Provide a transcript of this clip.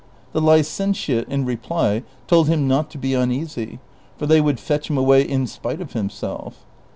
The licentiate in reply told him not to be uneasy, for they would fetch him away in spite of himself.